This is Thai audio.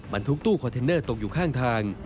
ทุกตู้คอนเทนเนอร์ตกอยู่ข้างทาง